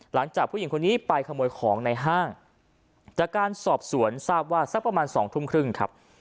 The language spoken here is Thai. หลังจากผู้หญิงคนนี้ไปขโมยของในห้างจากการสอบสวนทราบว่าสักประมาณสองทุ่มครึ่งครับ